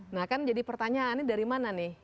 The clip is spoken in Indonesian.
nah kan jadi pertanyaannya dari mana nih